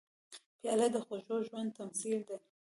پیاله د خوږ ژوند تمثیل دی.